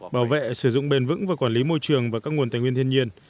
bảo vệ sử dụng bền vững và quản lý môi trường và các nguồn tài nguyên thiên nhiên